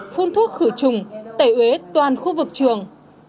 phun thuốc khử trùng tẩy uế toàn khu vực trường